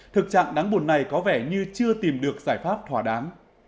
thực trạng đáng buồn này có vẻ như chưa tìm được giải pháp thỏa đáng